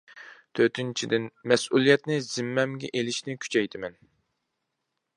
تۆتىنچىدىن، مەسئۇلىيەتنى زىممەمگە ئېلىشنى كۈچەيتىمەن.